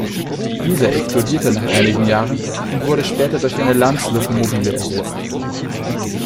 Dieser explodierte nach einigen Jahren und wurde später durch eine "Lanz-Lokomobile" ersetzt.